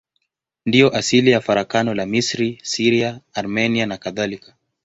Ndiyo asili ya farakano la Misri, Syria, Armenia nakadhalika.